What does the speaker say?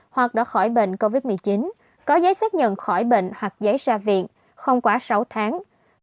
hoặc đã khỏi bệnh covid một mươi chín có giấy xác nhận khỏi bệnh hoặc giấy ra viện không quá sáu tháng